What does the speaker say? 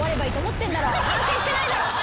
反省してないだろ！